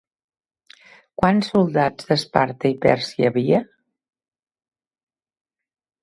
Quants soldats d'Esparta i Pèrsia hi havia?